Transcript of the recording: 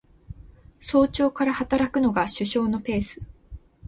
早朝から働くのが首相のペース